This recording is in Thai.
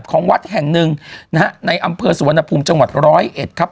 ของวัดแห่งนึงนะฮะในอำเภอสุวรรณภูมิจังหวัด๑๐๑ครับ